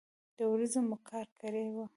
د ورځې مو کار کړی و.